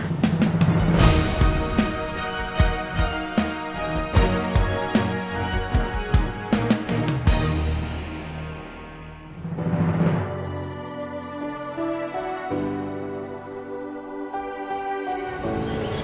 ibu itu kan iod balance